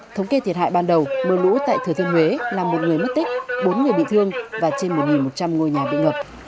thống kê thiệt hại ban đầu mưa lũ tại thừa thiên huế làm một người mất tích bốn người bị thương và trên một một trăm linh ngôi nhà bị ngập